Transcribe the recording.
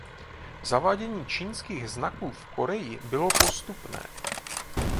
Zavádění čínských znaků v Koreji bylo postupné.